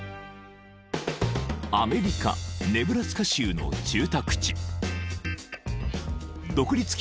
［アメリカネブラスカ州の住宅地］